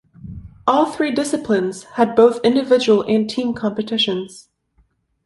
All three disciplines had both individual and team competitions.